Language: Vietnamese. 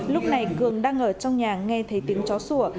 lúc này cường đang ở trong nhà nghe thấy tiếng chó sủa